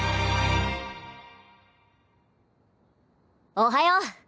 おはよう！